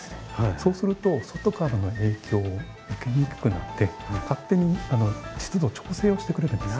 そうすると外からの影響を受けにくくなって勝手に湿度調整をしてくれるんです。